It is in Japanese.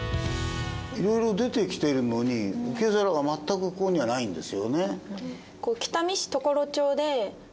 いろいろ出てきてるのに受け皿が全くここにはないんですよね。